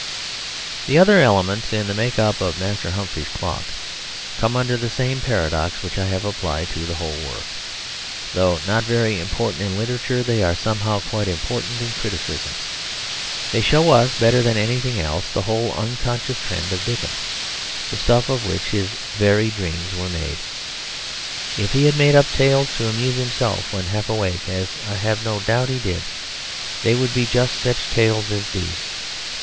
The other elements in the make up of Master Humphrey's Clock come under the same paradox which I have applied to the whole work. Though not very important in literature they are somehow quite important in criticism. They show us better than anything else the whole unconscious trend of Dickens, the stuff of which his very dreams were made. If he had made up tales to amuse himself when half awake (as I have no doubt he did) they would be just such tales as these.